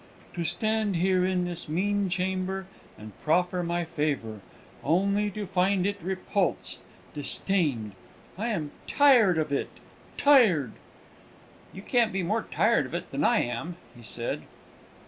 To stand here in this mean chamber and proffer my favour, only to find it repulsed, disdained. I am tired of it tired!" "You can't be more tired of it than I am!" he said.